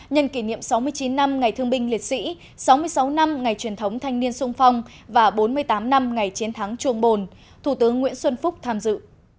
nhân kỷ niệm sáu mươi chín năm ngày thương binh liệt sĩ sáu mươi sáu năm ngày truyền thống thanh niên sung phong và bốn mươi tám năm ngày chiến thắng chuồng bồn thủ tướng nguyễn xuân phúc tham dự